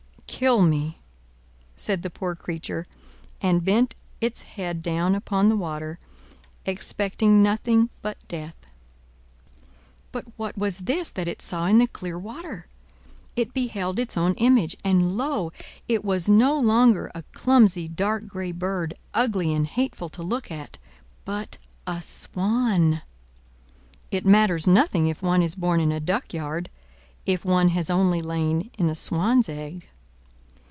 "Kill me!" said the poor creature, and bent its head down upon the water, expecting nothing but death. But what was this that it saw in the clear water? It beheld its own image; and, lo! it was no longer a clumsy, dark gray bird, ugly and hateful to look at, but a—swan! It matters nothing if one is born in a duck yard, if one has only lain in a swan's egg.